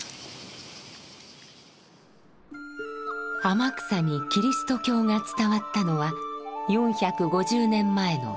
天草にキリスト教が伝わったのは４５０年前の戦国時代。